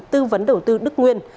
tư vấn đầu tư đức nguyên